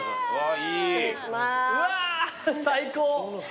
うわ！最高！